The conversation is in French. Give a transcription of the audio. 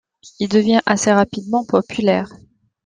Il devient assez rapidement populaire.